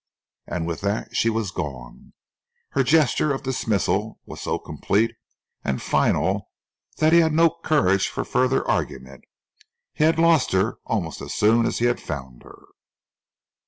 And with that she was gone. Her gesture of dismissal was so complete and final that he had no courage for further argument. He had lost her almost as soon as he had found her.